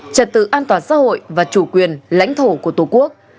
trật tự an toàn xã hội và chủ quyền lãnh thổ của tổ quốc